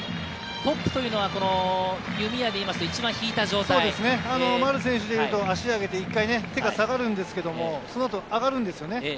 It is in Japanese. トップというのは弓矢で丸選手でいうと足を上げて、１回手が下がるんですが、その後上がるんですよね。